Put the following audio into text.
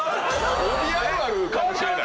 帯あるあるかもしれない。